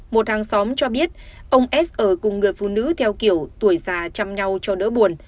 một hàng xóm cho biết ông s ở cùng người phụ nữ theo kiểu tuổi già chăm nhau cho đỡ buồn